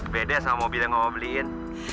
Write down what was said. beda sama mobil yang mau beliin